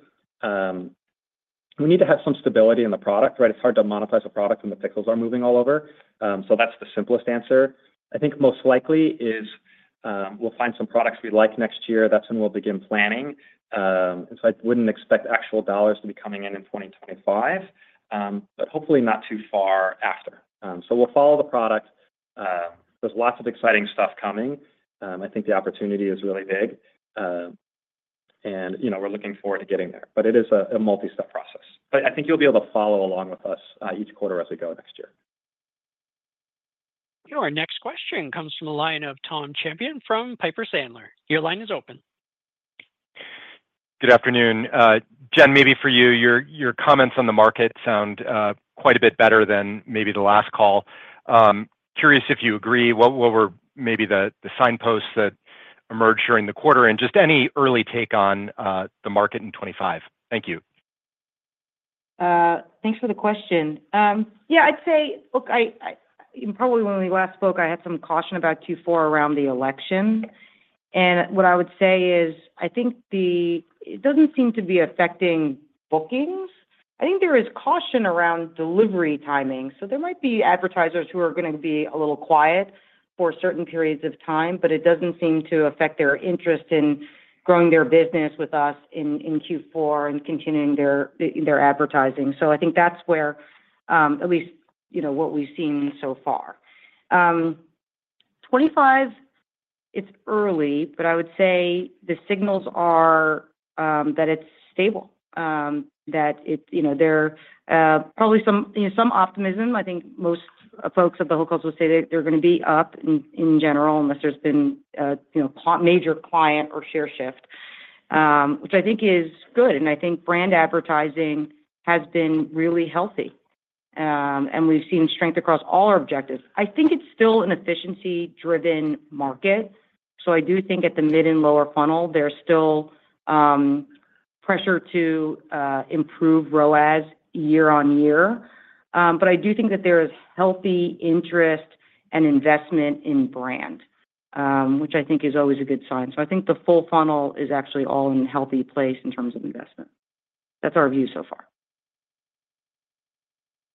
we need to have some stability in the product, right? It's hard to monetize a product when the pixels are moving all over, so that's the simplest answer. I think most likely is we'll find some products we like next year. That's when we'll begin planning, and so I wouldn't expect actual dollars to be coming in in 2025, but hopefully not too far after, so we'll follow the product. There's lots of exciting stuff coming. I think the opportunity is really big, and we're looking forward to getting there, but it is a multi-step process, but I think you'll be able to follow along with us each quarter as we go next year. Your next question comes from a line of Tom Champion from Piper Sandler. Your line is open. Good afternoon. Jen, maybe for you, your comments on the market sound quite a bit better than maybe the last call. Curious if you agree. What were maybe the signposts that emerged during the quarter and just any early take on the market in '25? Thank you. Thanks for the question. Yeah, I'd say, look, probably when we last spoke, I had some caution about Q4 around the election. And what I would say is I think it doesn't seem to be affecting bookings. I think there is caution around delivery timing. So there might be advertisers who are going to be a little quiet for certain periods of time, but it doesn't seem to affect their interest in growing their business with us in Q4 and continuing their advertising. So I think that's where at least what we've seen so far. 2025, it's early, but I would say the signals are that it's stable, that there's probably some optimism. I think most folks at the agencies will say that they're going to be up in general unless there's been a major client or share shift, which I think is good. And I think brand advertising has been really healthy, and we've seen strength across all our objectives. I think it's still an efficiency-driven market. So I do think at the mid and lower funnel, there's still pressure to improve ROAS year on year. But I do think that there is healthy interest and investment in brand, which I think is always a good sign. So I think the full funnel is actually all in a healthy place in terms of investment. That's our view so far.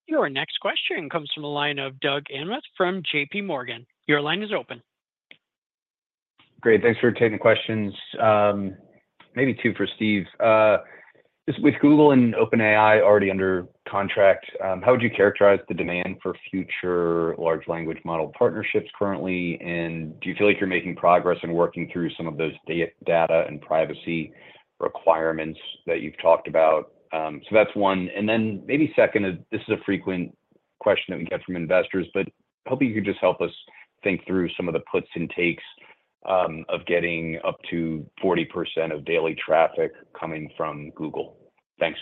Your next question comes from a line of Doug Anmuth from JPMorgan. Your line is open. Great. Thanks for taking questions. Maybe two for Steve. With Google and OpenAI already under contract, how would you characterize the demand for future large language model partnerships currently? And do you feel like you're making progress in working through some of those data and privacy requirements that you've talked about? So that's one. And then maybe second, this is a frequent question that we get from investors, but hopefully you can just help us think through some of the puts and takes of getting up to 40% of daily traffic coming from Google. Thanks.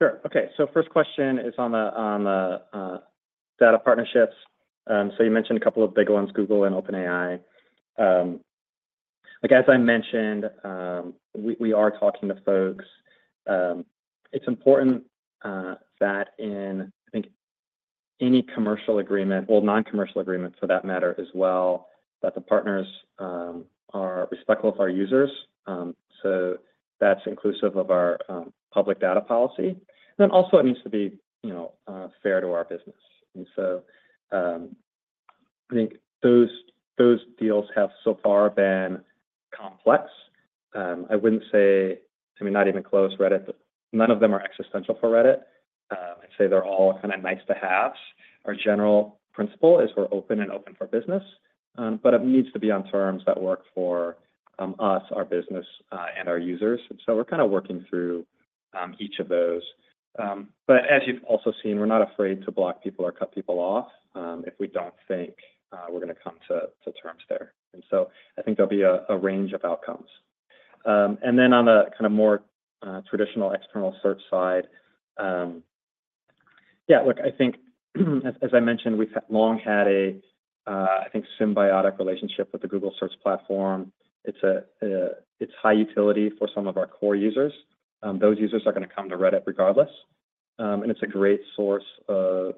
Sure. Okay. So first question is on the data partnerships. So you mentioned a couple of big ones, Google and OpenAI. As I mentioned, we are talking to folks. It's important that in, I think, any commercial agreement, well, non-commercial agreement for that matter as well, that the partners are respectful of our users. So that's inclusive of our public data policy. And then also, it needs to be fair to our business. And so I think those deals have so far been complex. I wouldn't say, I mean, not even close Reddit, but none of them are existential for Reddit. I'd say they're all kind of nice to haves. Our general principle is we're open and open for business, but it needs to be on terms that work for us, our business, and our users. And so we're kind of working through each of those. But as you've also seen, we're not afraid to block people or cut people off if we don't think we're going to come to terms there. And so I think there'll be a range of outcomes. And then on the kind of more traditional external search side, yeah, look, I think, as I mentioned, we've long had a, I think, symbiotic relationship with the Google Search Platform. It's high utility for some of our core users. Those users are going to come to Reddit regardless. And it's a great source of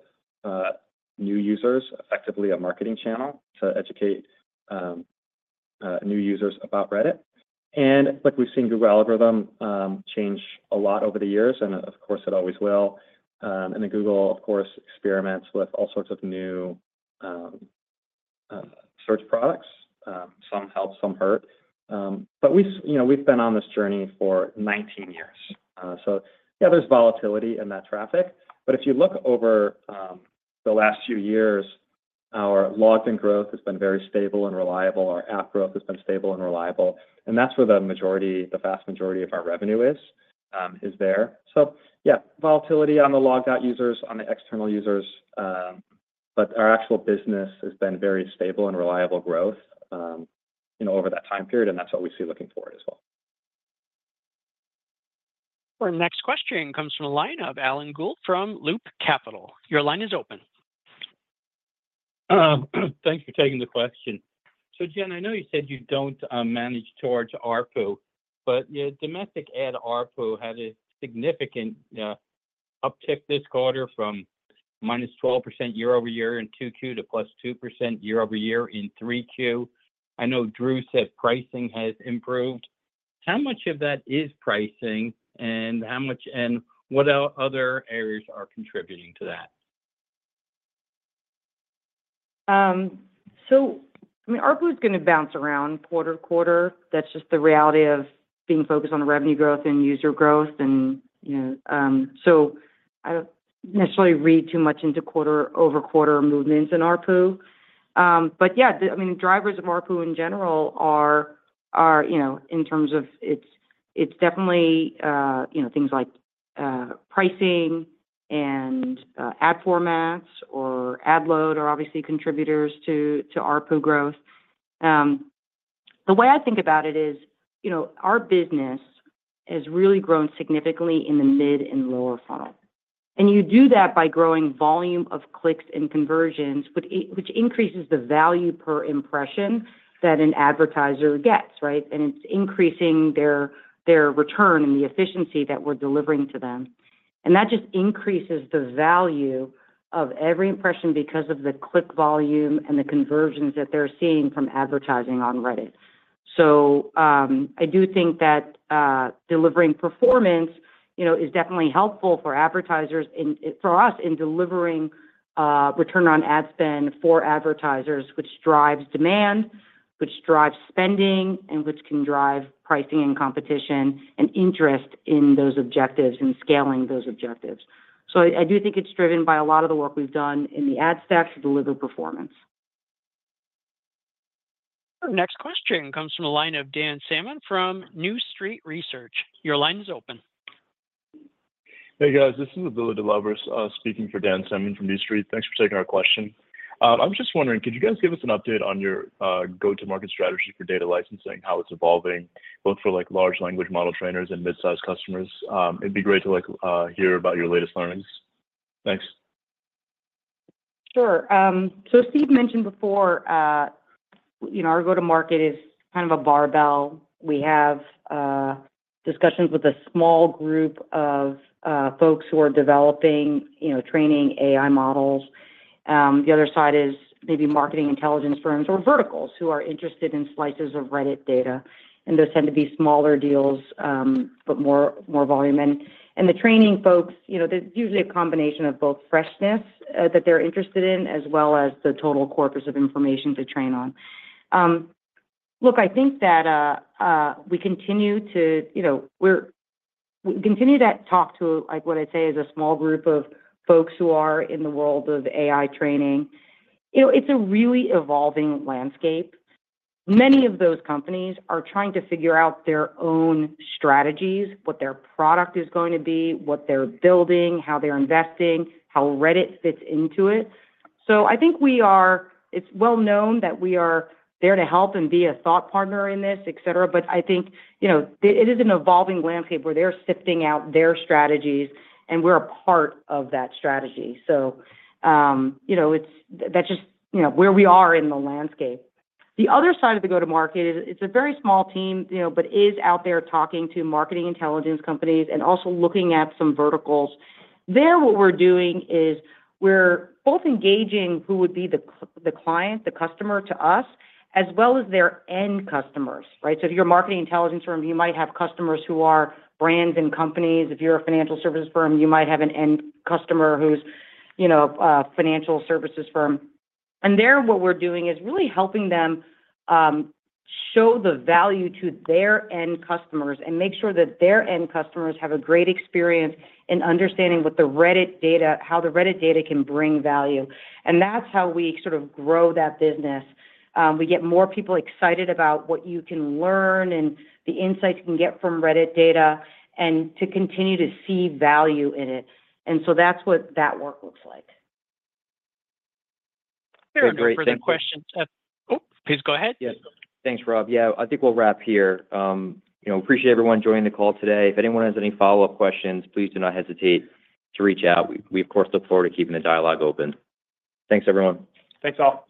new users, effectively a marketing channel to educate new users about Reddit. And look, we've seen Google algorithm change a lot over the years, and of course, it always will. And then Google, of course, experiments with all sorts of new search products. Some help, some hurt. But we've been on this journey for 19 years. So yeah, there's volatility in that traffic. But if you look over the last few years, our logged-in growth has been very stable and reliable. Our app growth has been stable and reliable. And that's where the vast majority of our revenue is there. So yeah, volatility on the logged-out users, on the external users, but our actual business has been very stable and reliable growth over that time period. And that's what we see looking forward as well. Our next question comes from a line of Alan Gould from Loop Capital. Your line is open. Thanks for taking the question. So Jen, I know you said you don't manage towards ARPU, but your domestic ad ARPU had a significant uptick this quarter from -12% year-over-year in Q2 to +2% year-over-year in Q3. I know Drew said pricing has improved. How much of that is pricing, and what other areas are contributing to that? So I mean, ARPU is going to bounce around quarter to quarter. That's just the reality of being focused on revenue growth and user growth. And so I don't necessarily read too much into quarter-over-quarter movements in ARPU. But yeah, I mean, the drivers of ARPU in general are in terms of it's definitely things like pricing and ad formats or ad load are obviously contributors to ARPU growth. The way I think about it is our business has really grown significantly in the mid and lower funnel. And you do that by growing volume of clicks and conversions, which increases the value per impression that an advertiser gets, right? And it's increasing their return and the efficiency that we're delivering to them. And that just increases the value of every impression because of the click volume and the conversions that they're seeing from advertising on Reddit. So I do think that delivering performance is definitely helpful for advertisers and for us in delivering return on ad spend for advertisers, which drives demand, which drives spending, and which can drive pricing and competition and interest in those objectives and scaling those objectives. So I do think it's driven by a lot of the work we've done in the ad stack to deliver performance. Our next question comes from a line of Dan Salmon from New Street Research. Your line is open. Hey, guys. This is Dan Salmon from New Street Research. Thanks for taking our question. I was just wondering, could you guys give us an update on your go-to-market strategy for data licensing, how it's evolving, both for large language model trainers and mid-size customers? It'd be great to hear about your latest learnings. Thanks. Sure. So Steve mentioned before, our go-to-market is kind of a barbell. We have discussions with a small group of folks who are developing, training AI models. The other side is maybe marketing intelligence firms or verticals who are interested in slices of Reddit data. And those tend to be smaller deals, but more volume. And the training folks, there's usually a combination of both freshness that they're interested in as well as the total corpus of information to train on. Look, I think that we continue to talk to what I'd say is a small group of folks who are in the world of AI training. It's a really evolving landscape. Many of those companies are trying to figure out their own strategies, what their product is going to be, what they're building, how they're investing, how Reddit fits into it. So I think it's well known that we are there to help and be a thought partner in this, etc. But I think it is an evolving landscape where they're sifting out their strategies, and we're a part of that strategy. So that's just where we are in the landscape. The other side of the go-to-market is it's a very small team, but is out there talking to marketing intelligence companies and also looking at some verticals. There, what we're doing is we're both engaging who would be the client, the customer to us, as well as their end customers, right? So if you're a marketing intelligence firm, you might have customers who are brands and companies. If you're a financial services firm, you might have an end customer who's a financial services firm. And there, what we're doing is really helping them show the value to their end customers and make sure that their end customers have a great experience in understanding how the Reddit data can bring value. And that's how we sort of grow that business. We get more people excited about what you can learn and the insights you can get from Reddit data and to continue to see value in it. And so that's what that work looks like. There are great questions. Oh, please go ahead. Thanks, Rob. Yeah, I think we'll wrap here. Appreciate everyone joining the call today. If anyone has any follow-up questions, please do not hesitate to reach out. We, of course, look forward to keeping the dialogue open. Thanks, everyone. Thanks, all.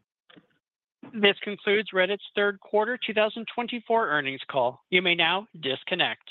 This concludes Reddit's Third Quarter 2024 Earnings Call. You may now disconnect.